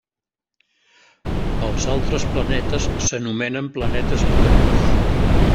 Els altres planetes s'anomenen planetes interiors.